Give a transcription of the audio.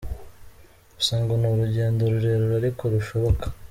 Gusa ngo ni urugendo rurerure ariko rushoboka.